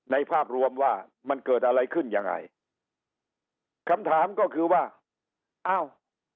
ภาพรวมว่ามันเกิดอะไรขึ้นยังไงคำถามก็คือว่าอ้าว